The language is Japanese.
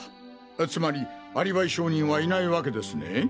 つまりアリバイ証人はいないわけですね？